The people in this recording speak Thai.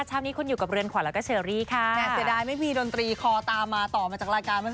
เช้านี้คุณอยู่กับเรือนขวัญแล้วก็เชอรี่ค่ะแม่เสียดายไม่มีดนตรีคอตามมาต่อมาจากรายการเมื่อ